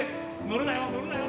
乗るなよ！